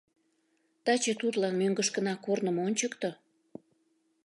Таче тудлан мӧҥгышкына корным ончыкто.